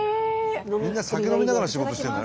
みんな酒飲みながら仕事してるんだね。